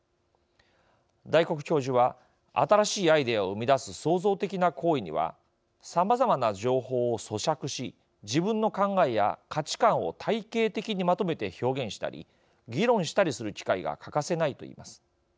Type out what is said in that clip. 大黒教授は新しいアイデアを生み出す創造的な行為にはさまざまな情報をそしゃくし自分の考えや価値観を体系的にまとめて表現したり議論したりする機会が欠かせないと言います。